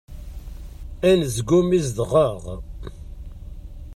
Anezgum izdeɣ-aɣ.